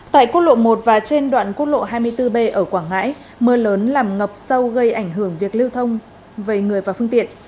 tại quốc lộ một và trên đoạn quốc lộ hai mươi bốn b ở quảng ngãi mưa lớn làm ngập sâu gây ảnh hưởng việc lưu thông về người và phương tiện